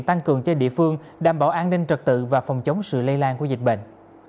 tăng cường cho địa phương đảm bảo an ninh trật tự và phòng chống sự lây lan của dịch bệnh